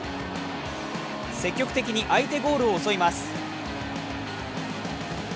積極的に相手ゴールを襲います。